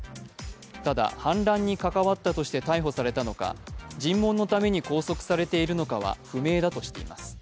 ただ、反乱に関わったとして逮捕されたのか、尋問のために拘束されているのかは不明だとしています。